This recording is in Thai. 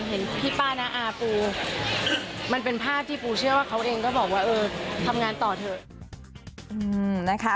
เห็นพี่ป้าน้าอาปูมันเป็นภาพที่ปูเชื่อว่าเขาเองก็บอกว่าเออทำงานต่อเถอะนะคะ